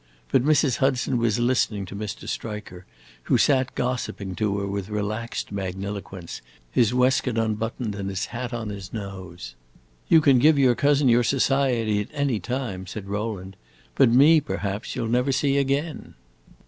But Mrs. Hudson was listening to Mr. Striker, who sat gossiping to her with relaxed magniloquence, his waistcoat unbuttoned and his hat on his nose. "You can give your cousin your society at any time," said Rowland. "But me, perhaps, you 'll never see again."